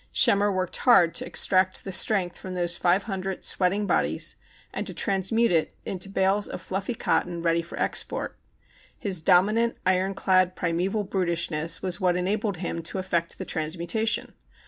Schemmer worked hard to extract! the strength from those five hundred sweating bodies and to transmute it into bales of fluffy cotton ready for export. His domi nant, iron clad, primeval brutishness was what enabled him to effect the transmutation.